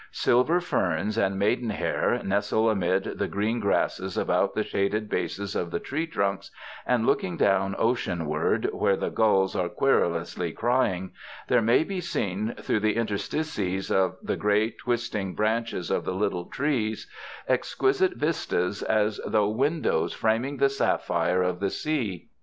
Silver ferns and maidenhair nestle amid the green grasses about the shaded bases of the tree trunks; and looking down oceanward, where the gulls are querulously crying, there may be seen through the interstices of the gray, twisting branches of the little trees, exquisite 178 WINTER ON THE ISLE OF SUMMER vistas, as througli windows framing the sapphire of the sea.